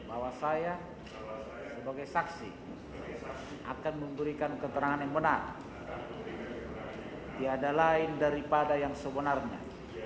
apakah ini terhadap saudara